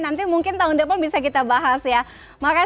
nanti mungkin tahun depan bisa kita bahas ya